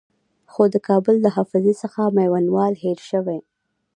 خو د کابل له حافظې څخه میوندوال هېر شوی.